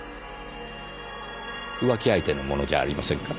浮気相手のものじゃありませんか？